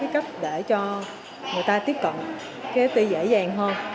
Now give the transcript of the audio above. cách để cho người ta tiếp cận cái ti dễ dàng hơn